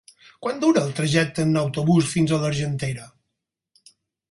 Quant dura el trajecte en autobús fins a l'Argentera?